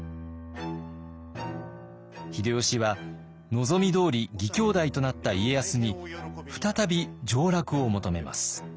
秀吉は望みどおり義兄弟となった家康に再び上洛を求めます。